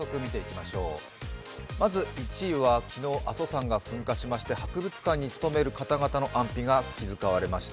まず１位は昨日、阿蘇山が噴火しまして博物館に勤める方々の安否が心配されました。